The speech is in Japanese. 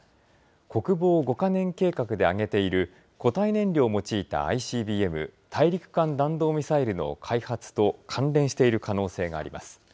国防５か年計画で挙げている固体燃料を用いたＩＣＢＭ・大陸間弾道ミサイルの開発と関連している可能性があります。